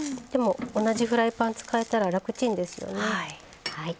でも同じフライパン使えたら楽ちんですよね。